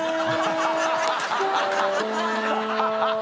ハハハ